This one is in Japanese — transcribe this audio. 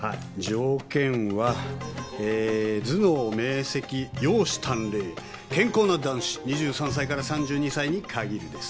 条件はえぇ頭脳明晰容姿端麗健康な男子２３歳から３２歳に限るです。